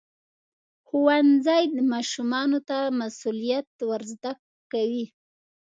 ښوونځی ماشومانو ته مسؤلیت ورزده کوي.